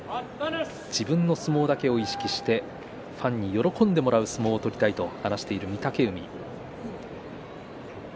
自分の相撲だけを意識してファンに喜んでもらう相撲を取りたいと話している御嶽海。